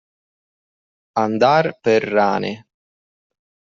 Andar per rane.